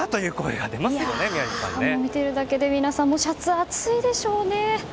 見ているだけで皆さんもシャツ、暑いでしょうね。